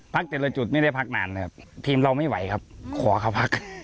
แต่ละจุดไม่ได้พักนานเลยครับทีมเราไม่ไหวครับขอเขาพัก